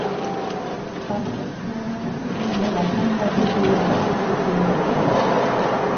পাশাপাশি শরণার্থীদের জন্য রাখাইন রাজ্যে ফিরে আসার সুযোগ তৈরি করতে হবে।